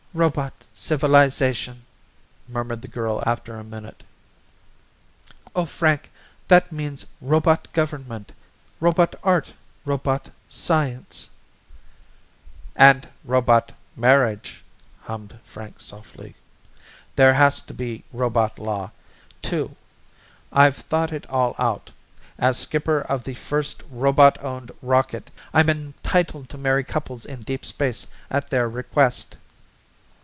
"Robot civilization," murmured the girl after a minute. "Oh, Frank, that means robot government, robot art, robot science ..." "And robot marriage," hummed Frank softly. "There has to be robot law, too. I've thought it all out. As skipper of the first robot owned rocket, I'm entitled to marry couples in deep space at their request."